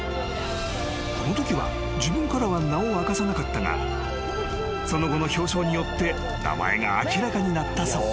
［このときは自分からは名を明かさなかったがその後の表彰によって名前が明らかになったそう］